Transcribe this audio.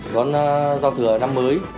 đón giao thừa năm mới